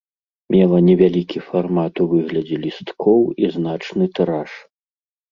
Мела невялікі фармат у выглядзе лісткоў і значны тыраж.